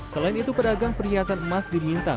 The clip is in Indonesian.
selain itu pedagang perhiasan emas diminta